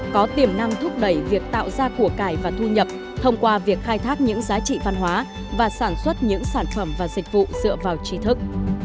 có tiềm năng thúc đẩy việc tạo ra của cải và thu nhập thông qua việc khai thác những giá trị văn hóa và sản xuất những sản phẩm và dịch vụ dựa vào trí thức